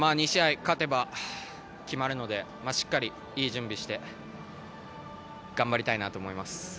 ２試合勝てば決まるのでしっかりといい準備をして頑張りたいなと思います。